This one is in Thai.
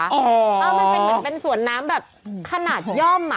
ก็มันเป็นสวนน้ำแบบขนาดย่อม